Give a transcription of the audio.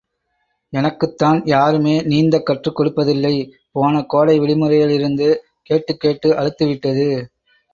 எனக்குத்தான் யாருமே நீந்தக் கற்றுக் கொடுப்பதில்லை போன கோடை விடுமுறையிலிருந்து கேட்டுக் கேட்டு அலுத்துவிட்டது.